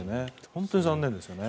本当に残念ですね。